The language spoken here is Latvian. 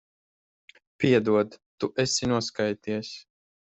Piedod. Tu esi noskaities.